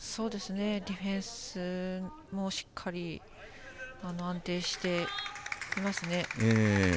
ディフェンスもしっかり安定していますね。